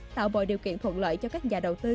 tạo mọi điều kiện thuận lợi cho các nhà đầu tư